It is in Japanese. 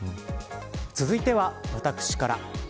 続いては、私から。